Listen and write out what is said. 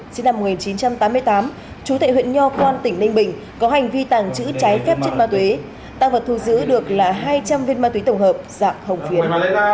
sinh năm một nghìn chín trăm tám mươi tám chú tệ huyện nho quan tỉnh ninh bình có hành vi tàng trữ trái phép chất ma túy tăng vật thu giữ được là hai trăm linh viên ma túy tổng hợp dạng hồng phiến